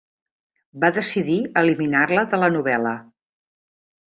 Va decidir eliminar-la de la novel·la.